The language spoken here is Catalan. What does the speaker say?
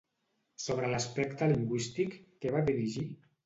Sobre l'aspecte lingüístic, què va dirigir?